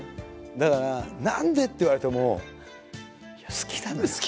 だから「何で？」って言われても好きなんですよ。